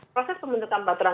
proses pembentukan peraturan